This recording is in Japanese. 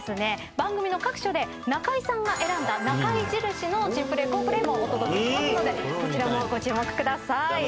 番組の各所で中居さんが選んだ中居印の珍プレー好プレーもお届けしますのでそちらもご注目ください。